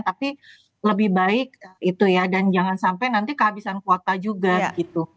tapi lebih baik itu ya dan jangan sampai nanti kehabisan kuota juga gitu